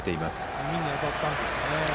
耳に当たったんですね。